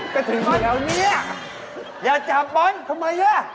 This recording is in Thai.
ก็ถึงแล้วเนี่ยอย่าจับบอลทำไมเนี่ย